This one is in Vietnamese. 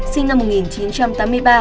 sinh năm một nghìn chín trăm tám mươi ba